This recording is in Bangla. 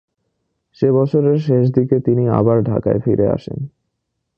সে বছরের শেষ দিকে তিনি আবার ঢাকায় ফিরে আসেন।